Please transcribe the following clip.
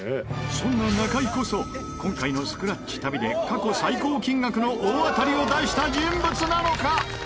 そんな中井こそ今回のスクラッチ旅で過去最高金額の大当たりを出した人物なのか？